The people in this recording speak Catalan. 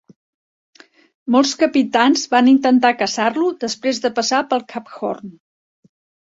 Molts capitans can intentar caçar-lo després de passar pel cap Horn.